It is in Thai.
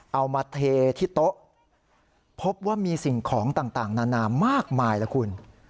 เอามาเทที่โต๊ะพบว่ามีสิ่งของต่างนานามากมายละคุณ